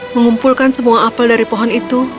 mengumpulkan semua apel dari pohon itu